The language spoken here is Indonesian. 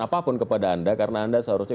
apapun kepada anda karena anda seharusnya